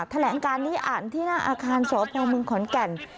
แถลงการนี้อ่านที่หน้าอาคารสพเมืองขอนแก่น